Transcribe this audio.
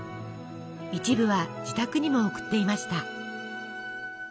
一部は自宅にも送っていました。